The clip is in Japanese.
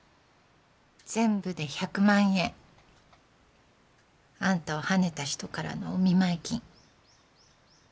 全部で１００万円あんたをはねた人からのお見舞い金